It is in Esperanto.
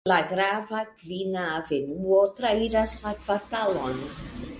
La grava Kvina Avenuo trairas la kvartalon.